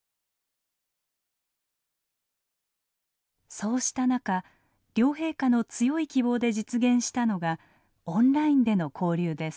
そうした中両陛下の強い希望で実現したのがオンラインでの交流です。